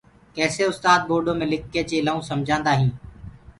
ڪيسي اُستآد بورڊو مي لکڪي چيلآئون سمجآدآ هين